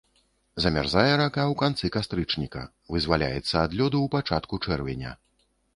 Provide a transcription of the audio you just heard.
Замярзае рака ў канцы кастрычніка, вызваляецца ад лёду ў пачатку чэрвеня.